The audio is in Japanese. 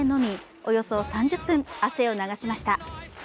およそ３０分、汗を流しました。